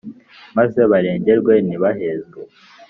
maze barengerwe ntibahezwe,